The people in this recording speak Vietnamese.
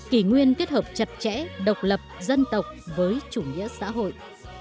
kỷ nguyên kết hợp chặt chẽ độc lập dân tộc với chủ nghĩa xã hội